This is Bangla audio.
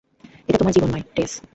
এটা তোমার জীবন নয়, টেস।